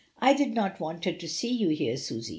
"I did not want her to see you here, Susy."